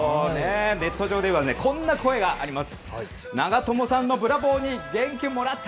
ネット上ではこんな声があります。